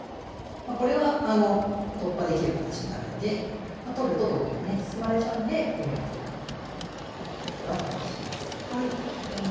まこれはあの突破できる形になるんで取ると同銀でね進まれちゃうんで４四歩と後手は回避します。